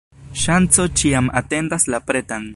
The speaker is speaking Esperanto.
Ŝanco ĉiam atendas la pretan.